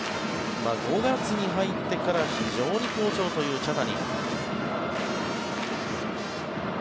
５月に入ってから非常に好調という茶谷。